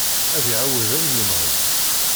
Ad iɛawed ad d-yemɣi.